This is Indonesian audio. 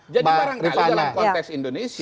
jadi barangkali dalam konteks indonesia